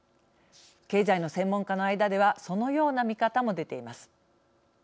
経済の専門家の間ではそのような見方もでています。